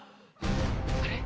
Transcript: あれ？